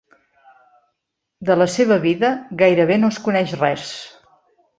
De la seva vida gairebé no es coneix res.